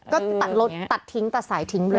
ก็ตัดลดตัดทิ้งตัดสายทิ้ง